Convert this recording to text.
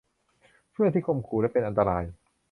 เพื่อนที่ข่มขู่และเป็นอันตราย